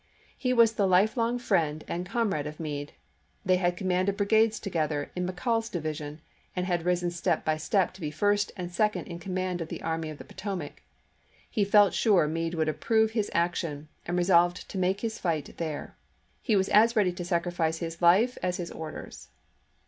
He was the lifelong friend and comrade of Meade; they had commanded brigades together in Me Call's division, and had risen step by step to be first and second in command of the Army of the Potomac; he felt sure Meade would approve his action, and resolved to make his fight there. He was as ready to sacrifice his life as his orders.